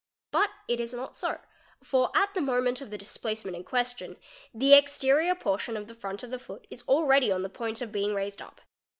But it is not so, for at the moment of the displacement in question the exterior portion of the front of the foot is already on the point of being raised up.